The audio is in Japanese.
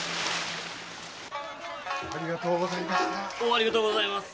ありがとうございます。